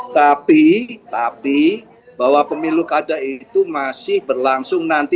tapi tapi bahwa pemilu klade itu masih berlangsung nanti dua ribu dua puluh empat